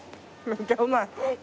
めっちゃうまい。